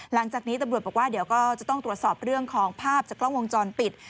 หลังจากนี้ตำรวจบอกว่าเดี๋ยวก็จะต้องตรวจสอบเรื่องของภาพจากกล้องวงจรปิด